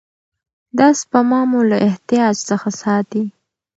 دا سپما مو له احتیاج څخه ساتي.